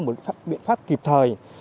một biện pháp kịp thời